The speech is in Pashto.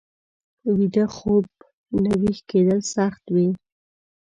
ویده خوب نه ويښ کېدل سخته وي